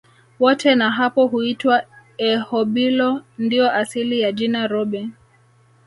Wote na hapo huitwa Erhobilo ndio asili ya jina Rhobi